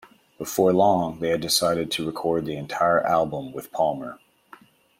Before long, they had decided to record the entire album with Palmer.